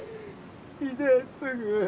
秀次。